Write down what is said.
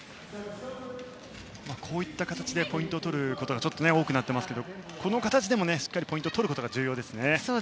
こういった形でポイントを取ることがちょっと多くなっていますがこの形でもしっかりポイントを取ることが重要ですね。